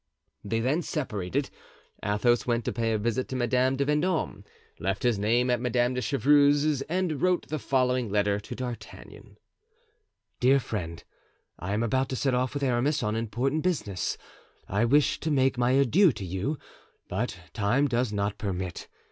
They then separated. Athos went to pay a visit to Madame de Vendome, left his name at Madame de Chevreuse's and wrote the following letter to D'Artagnan: "Dear Friend,—I am about to set off with Aramis on important business. I wished to make my adieux to you, but time does not permit.